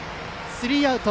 スリーアウト。